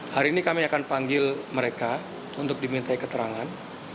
hari ini kami akan panggil mereka untuk dimintai keterangan